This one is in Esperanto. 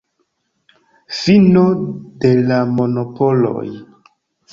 Fino de la monopoloj.